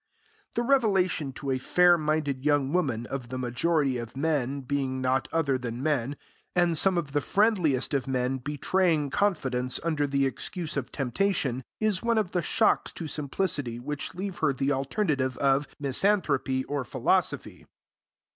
The revelation to a fair minded young woman of the majority of men being naught other than men, and some of the friendliest of men betraying confidence under the excuse of temptation, is one of the shocks to simplicity which leave her the alternative of misanthropy or philosophy.